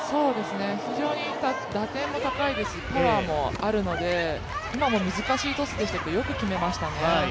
非常に打点も高いですしパワーもあるので今も難しいトスでしたけれどもよく決めましたね。